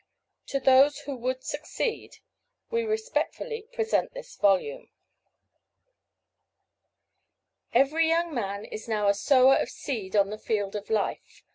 To those who would succeed, we respectfully present this volume. _Every young man is now a sower of seed on the field of life.